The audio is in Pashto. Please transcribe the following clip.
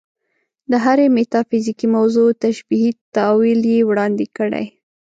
د هرې میتافیزیکي موضوع تشبیهي تأویل یې وړاندې کړی.